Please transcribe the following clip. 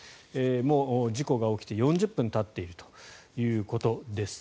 もう事故が起きて４０分たっているということです。